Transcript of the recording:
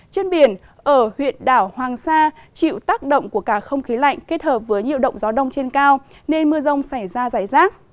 trên biển ở huyện đảo hoàng sa chịu tác động của cả không khí lạnh kết hợp với nhiệu động gió đông trên cao nên mưa rông xảy ra giải rác